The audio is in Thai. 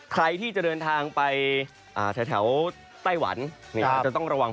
ใครที่จะเดินทางไปแถวไต้หวันจะต้องระวัง